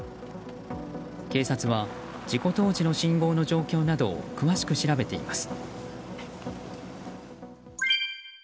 警察は事故当時の信号の状況などを詳しく調べています。